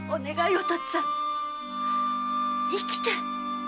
お父っつぁん生きて！